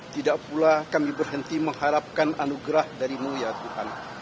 tidak pula kami berhenti mengharapkan anugerah darimu ya tuhan